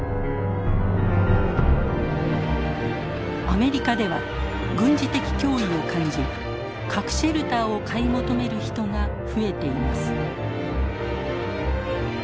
アメリカでは軍事的脅威を感じ核シェルターを買い求める人が増えています。